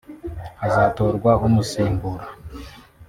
hazatorwa umusimbura